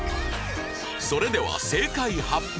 それでは正解発表